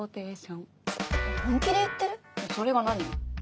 それが何よ？